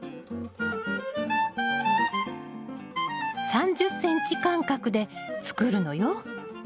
３０ｃｍ間隔で作るのよ。